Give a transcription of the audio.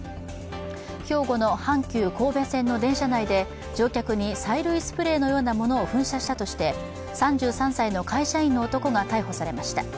兵庫の阪急神戸線の電車内で乗客に催涙スプレーのようなものを噴射したとして３３歳の会社員の男が逮捕されました。